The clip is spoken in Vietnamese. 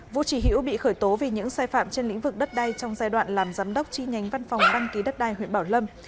vũ trì hiễu bị khởi tố vì những sai phạm trên lĩnh vực đất đai trong giai đoạn làm giám đốc chi nhánh văn phòng đăng ký đất đai huyện bảo lâm